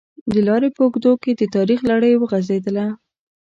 د لارې په اوږدو کې د تاریخ لړۍ وغزېدله.